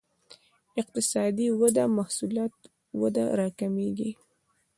اقتصادي وده محصولات وده راکمېږي.